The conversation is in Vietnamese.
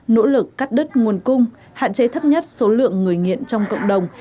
nỗ lực cắt đứt nguồn cung hạn chế thấp nhất số lượng người nghiện trong cộng đồng